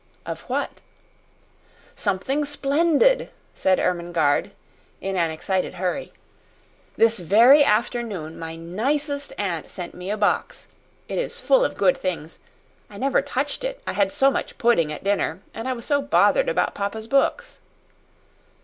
"Of what?" "Something splendid!" said Ermengarde, in an excited hurry. "This very afternoon my nicest aunt sent me a box. It is full of good things. I never touched it, I had so much pudding at dinner, and I was so bothered about papa's books."